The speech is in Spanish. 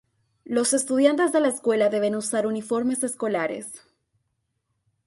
Los estudiantes de la escuela deben usar uniformes escolares.